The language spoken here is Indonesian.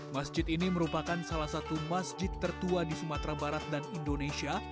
masjid ini merupakan salah satu masjid tertua di sumatera barat dan indonesia